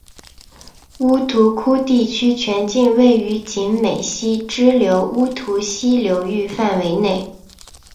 乌涂窟地区全境位于景美溪支流乌涂溪流域范围内。